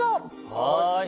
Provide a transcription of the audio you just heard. はい。